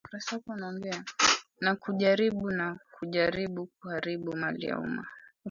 na kujaribu na kujaribu kuharibu mali ya umma